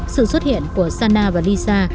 sự xuất hiện của sana và lisa